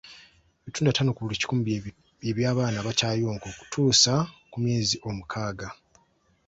Ebitundu ataano ku kikumi bye eby'abaana abakyayonka okutuusa ku myezi omukaaga.